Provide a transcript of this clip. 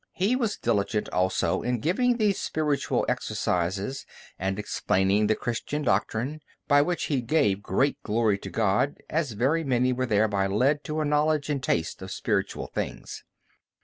He was diligent also in giving the Spiritual Exercises and explaining the Christian doctrine, by which he gave great glory to God, as very many were thereby led to a knowledge and taste of spiritual things.